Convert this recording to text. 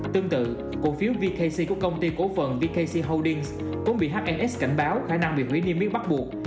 tương tự cổ phiếu vkc của công ty cổ phần vkc holdings cũng bị hns cảnh báo khả năng bị hủy niêm yết bắt buộc